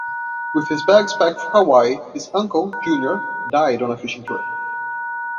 With his bags packed for Hawaii, his uncle, Junior, died on a fishing trip.